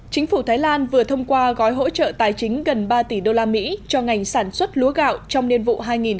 chính phủ thái lan vừa thông qua gói hỗ trợ tài chính gần ba tỷ đô la mỹ cho ngành sản xuất lúa gạo trong niên vụ hai nghìn một mươi tám hai nghìn một mươi chín